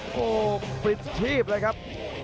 โอ้โหปลิดชีพเลยครับ